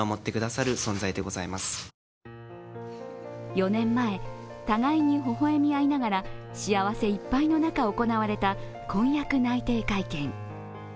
４年前、互いに微笑み合いながら幸せいっぱいの中、行われた婚約内定会見。